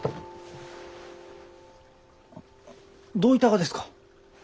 どういたがですか？